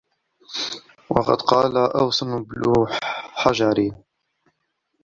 وَقَدْ قَالَ أَوْسُ بْنُ حَجَرٍ